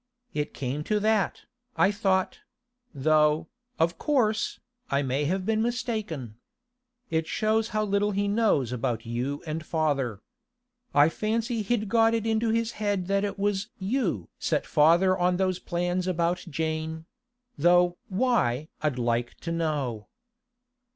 It came to that, I thought—though, of course, I may have been mistaken. It shows how little he knows about you and father. I fancy he'd got it into his head that it was you set father on those plans about Jane—though why I'd like to know.